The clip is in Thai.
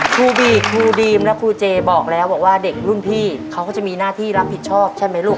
ครูบีครูดีมและครูเจบอกแล้วบอกว่าเด็กรุ่นพี่เขาก็จะมีหน้าที่รับผิดชอบใช่ไหมลูก